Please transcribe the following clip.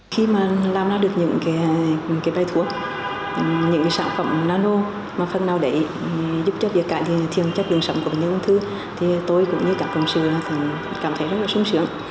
khi mà làm ra được những cái bài thuốc những cái sản phẩm nano mà phần nào để giúp cho việc cạnh thiên chất lương sống của bệnh nhân ung thư thì tôi cũng như các công sư cảm thấy rất là sống sướng